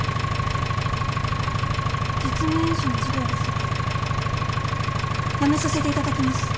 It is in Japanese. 実務演習の授業ですがやめさせていただきます。